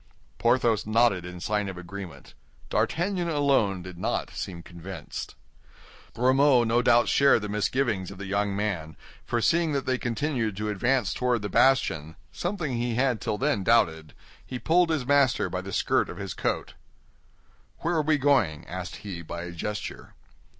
Porthos nodded in sign of agreement. D'Artagnan alone did not seem convinced. Grimaud no doubt shared the misgivings of the young man, for seeing that they continued to advance toward the bastion—something he had till then doubted—he pulled his master by the skirt of his coat. "Where are we going?" asked he, by a gesture.